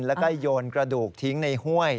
แล้วก็โยนกระดูกทิ้งในห้วย